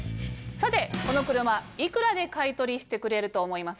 さてこの車いくらで買い取りしてくれると思いますか？